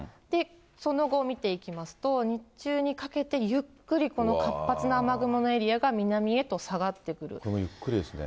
その後を見ていきますと、日中にかけて、ゆっくりこの活発な雨雲のエリアが南へと下ゆっくりですね。